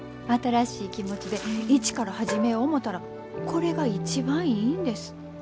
新しい気持ちで一から始めよ思たらこれが一番いいんです。